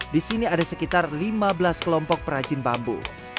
di sini ada sekitar lima belas kelompok perajin bambu